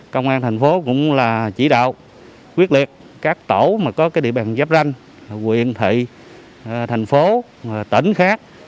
công an thành phố cũng là chỉ đạo quyết liệt các tổ mà có địa bàn giáp ranh quyện thị thành phố tỉnh khác